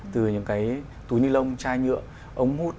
từ những cái túi ni lông chai nhựa ống hút